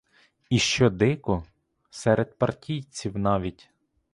І що дико — серед партійців навіть.